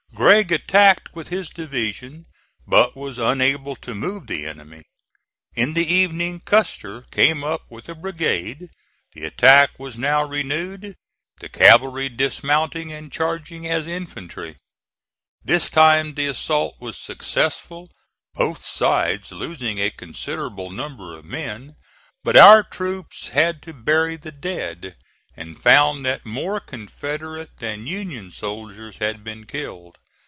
Gregg attacked with his division, but was unable to move the enemy. In the evening Custer came up with a brigade. The attack was now renewed, the cavalry dismounting and charging as infantry. This time the assault was successful, both sides losing a considerable number of men. But our troops had to bury the dead, and found that more Confederate than Union soldiers had been killed.